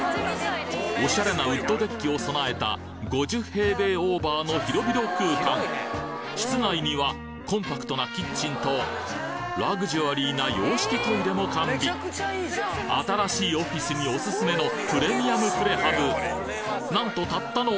オシャレなウッドデッキを備えた５０平米オーバーの広々空間室内にはコンパクトなキッチンとラグジュアリーな洋式トイレも完備新しいオフィスにオススメのプレミアムプレハブなんとたったの